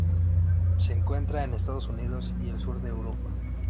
Se encuentra en Estados Unidos y el Sur de Europa.